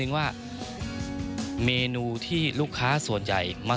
ในการจับถ้ายังคิดกุ้งนี้